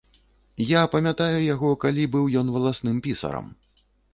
Я памятаю яго, калі быў ён валасным пісарам.